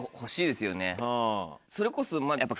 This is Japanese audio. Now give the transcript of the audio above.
それこそ。